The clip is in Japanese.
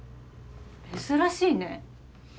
珍しいね。